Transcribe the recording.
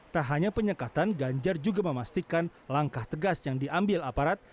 tak hanya penyekatan ganjar juga memastikan langkah tegas yang diambil aparat